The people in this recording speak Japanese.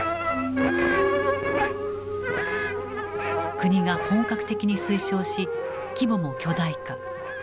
国が本格的に推奨し規模も巨大化。